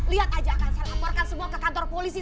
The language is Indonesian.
lihat aja kan saya laporkan semua ke kantor polisi